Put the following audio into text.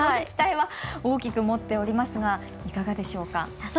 期待は大きく持っておりますがいかがでしょうか？